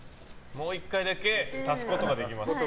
もう１回だけ足すことができます。